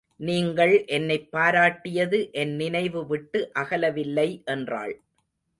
நீங்கள் என்னைப் பாராட்டியது என் நினைவு விட்டு அகலவில்லை என்றாள்.